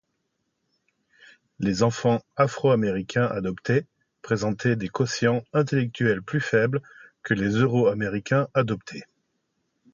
Les enfants afro-américains adoptés présentaient des quotients intellectuels plus faibles que les euro-américains adoptés.